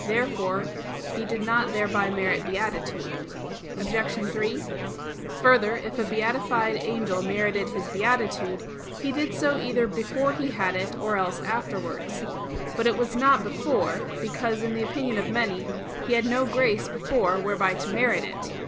Therefore he did not thereby merit beatitude. Obj. 3: Further, if a beatified angel merited his beatitude, he did so either before he had it, or else afterwards. But it was not before; because, in the opinion of many, he had no grace before whereby to merit it.